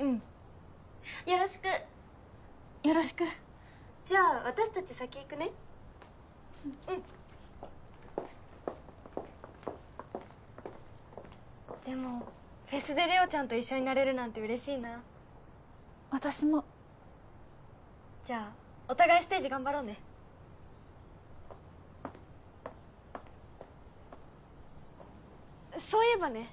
うんよろしくよろしくじゃあ私たち先行くねうんでもフェスでれおちゃんと一緒になれるなんてうれしいな私もじゃあお互いステージ頑張ろうねそういえばね